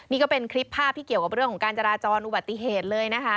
นี่ก็เป็นคลิปภาพที่เกี่ยวกับเรื่องของการจราจรอุบัติเหตุเลยนะคะ